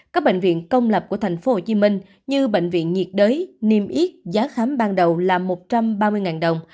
các bệnh viện công lập của tp hcm như bệnh viện nhiệt đới niêm yết giá khám ban đầu là một trăm ba mươi đồng